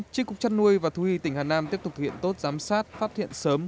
chiếc cục chăn nuôi và thu hì tỉnh hà nam tiếp tục hiện tốt giám sát phát hiện sớm